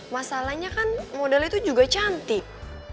masalahnya kan modal itu juga cantik